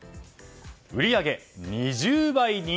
売り上げ２０倍に。